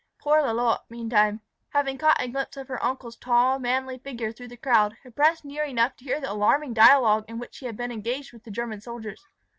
Poor Lalotte, meantime, having caught a glimpse of her uncle's tall, manly figure through the crowd, had pressed near enough to hear the alarming dialogue in which he had been engaged with the German soldiers.